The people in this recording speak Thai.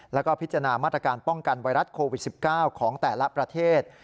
แล้วก็พิจารณามาตรการป้องกันไวรัสโควิด๑๙ของแต่ละประเทศ